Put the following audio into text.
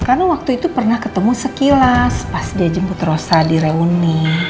karena waktu itu pernah ketemu sekilas pas dia jemput rosa di reuni